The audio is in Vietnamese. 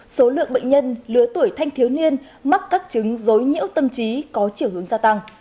số lượng bệnh nhân lứa tuổi thanh thiếu niên mắc các chứng dối nhiễu tâm trí có chiều hướng gia tăng